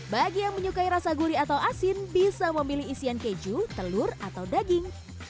bagi yang menyukai rasa gurih atau asin bisa memilih isian keju telur atau daging